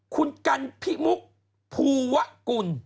คุณกันพิมุกภูวะกุล